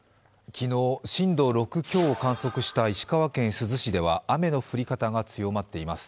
昨日、震度６強を観測した石川県珠洲市では雨の降り方が強まっています。